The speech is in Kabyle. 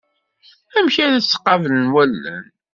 Amek ara tt-qablent wallen.